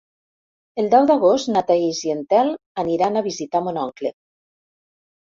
El deu d'agost na Thaís i en Telm aniran a visitar mon oncle.